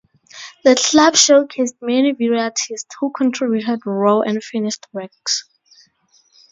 The club showcased many video artists, who contributed raw and finished works.